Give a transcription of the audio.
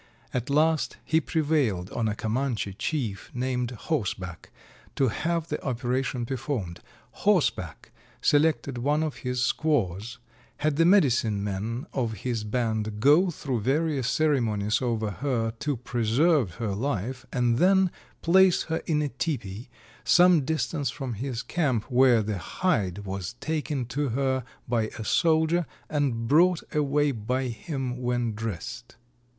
At last he prevailed on a Comanche chief, named 'Horseback' to have the operation performed. 'Horseback' selected one of his squaws, had the medicine man of his band go through various ceremonies over her to preserve her life and then placed her in a tepee some distance from his camp, where the hide was taken to her by a soldier and brought away by him when dressed.